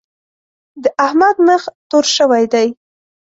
د احمد مخ تور شوی دی.